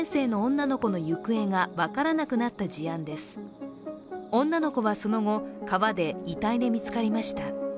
女の子はその後、川で遺体で見つかりました。